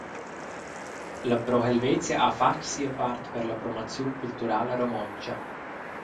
La Pro Helvetia ha fatg sia part per la promoziun culturala romontscha.